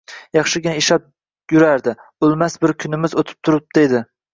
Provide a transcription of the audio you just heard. Yaxshig‘ina ishlab jurardi, o‘lmas bir kunimiz o‘tib turib edi